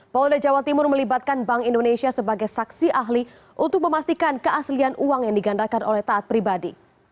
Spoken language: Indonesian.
polda jawa timur melibatkan bank indonesia sebagai saksi ahli untuk memastikan keaslian uang yang digandakan oleh taat pribadi